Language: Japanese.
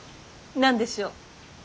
何でしょう。